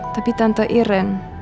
tapi tante iren